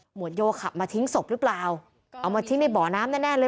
วดโยขับมาทิ้งศพหรือเปล่าเอามาทิ้งในบ่อน้ำแน่แน่เลย